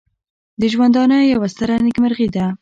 د ژوندانه یوه ستره نېکمرغي ده.